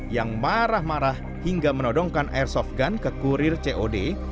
yang marah marah hingga menodongkan airsoft gun ke kurir cod